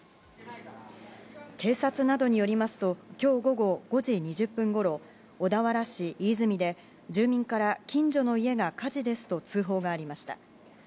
警察などによりますと今日午後５時２０分ごろ小田原市飯泉で住民から近所の家が火事ですと通報がありました。